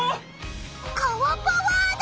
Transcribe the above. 川パワーだ！